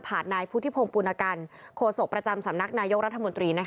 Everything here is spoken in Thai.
นายพุทธิพงศ์ปุณกันโคศกประจำสำนักนายกรัฐมนตรี